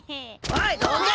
おいどけ！